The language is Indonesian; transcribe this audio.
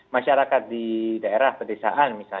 masyarakat di daerah pedesaan